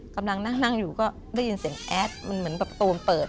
กำลังนั่งอยู่ก็ได้ยินเสียงแอดมันเหมือนแบบตูนเปิด